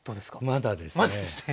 まだですね！